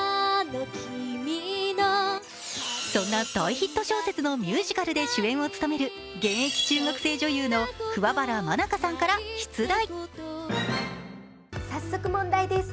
そんな大ヒット小説のミュージカルで主演を務める現役中学生女優の桑原愛佳さんから出題。